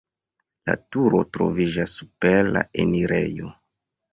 La turo troviĝas super la enirejo.